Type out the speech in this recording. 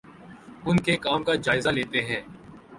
اُن کے کام کا جائزہ لیتے ہیں